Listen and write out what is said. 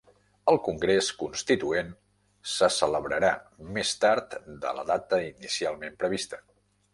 El congrés constituent se celebrarà més tard de la data inicialment prevista